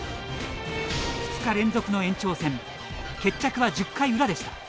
２日連続の延長戦決着は１０回裏でした。